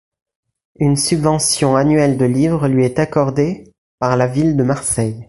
Une subvention annuelle de livres lui est accordée par la ville de Marseille.